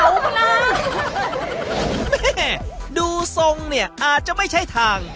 แม่เดี๋ยวดูทรงอาจจะไม่ใช่ทาง